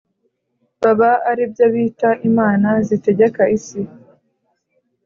baba ari byo bita imana zitegeka isi.